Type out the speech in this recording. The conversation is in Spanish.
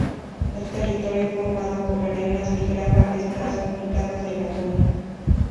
El territorio, formado por arenas y grava, está salpicado de lagunas.